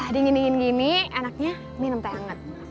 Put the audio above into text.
dingin dingin gini enaknya minum teh hangat